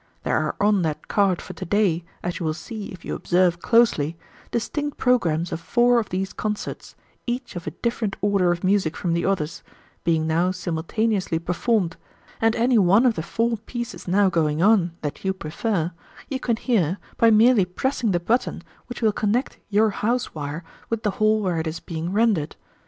There are on that card for to day, as you will see if you observe closely, distinct programmes of four of these concerts, each of a different order of music from the others, being now simultaneously performed, and any one of the four pieces now going on that you prefer, you can hear by merely pressing the button which will connect your house wire with the hall where it is being rendered.